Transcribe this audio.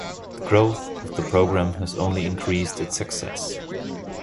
The growth of the program has only increased its success.